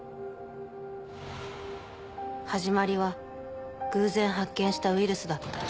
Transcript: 始まりは偶然発見したウイルスだった。